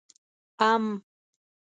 🥭 ام